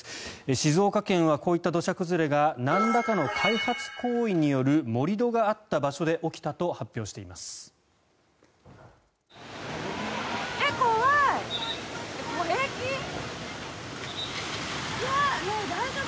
静岡県はこういった土砂崩れがなんらかの開発行為による盛り土があった場所で起きたと発表しています。